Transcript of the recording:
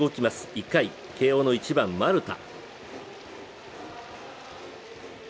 １回、慶応の１番・丸田。